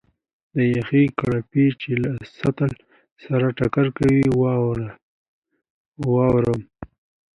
د یخې کړپی چې له سطل سره ټکر کوي، واورم.